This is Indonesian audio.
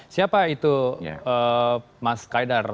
siapa itu mas kaidar